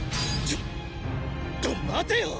ちょっと待てよ！